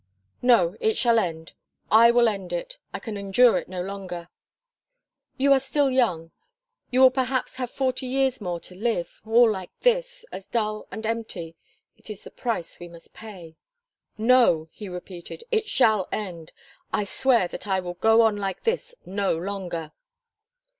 "No; it shall end. I will end it. I can endure it no longer." "You are still young. You will perhaps have forty years more to live all like this as dull and empty. It is the price we must pay." "No," he repeated, "it shall end. I swear that I will go on like this no longer."